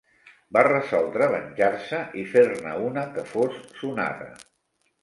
Va resoldre venjar-se i fer-ne una que fos sonada.